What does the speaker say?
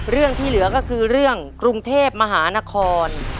เรื่องที่เหลือก็คือเรื่องกรุงเทพมหานคร